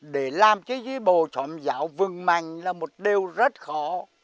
để làm cho dưới bộ trọng giáo vừng mạnh là một điều rất khó